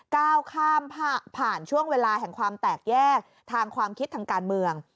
ก้าวข้ามผ่านช่วงเวลาแห่งความแตกแยกทางความคิดทางการเมือง